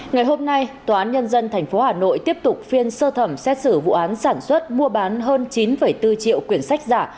ngày hôm nay tòa án nhân dân tp hà nội tiếp tục phiên sơ thẩm xét xử vụ án sản xuất mua bán hơn chín bốn triệu quyển sách giả